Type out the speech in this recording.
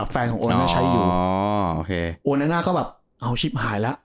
แฟนของโอนานะใช้อยู่โอนานะก็แบบอ้าวชิบหายแล้ว